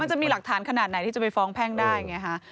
มันจะมีหลักฐานขนาดไหนที่จะไปฟ้องแพ่งได้ไงฮะ